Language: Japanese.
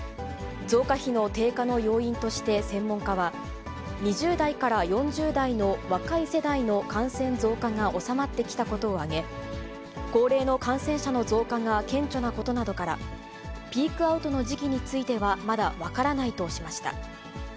増加比の低下の要因として専門家は、２０代から４０代の若い世代の感染増加が収まってきたことを挙げ、高齢の感染者の増加が顕著なことなどから、ピークアウトの時期についてはまだ分からないとしました。